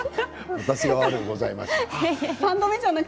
私が悪うございました。